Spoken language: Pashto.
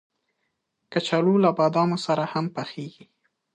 کچالو له بادامو سره هم پخېږي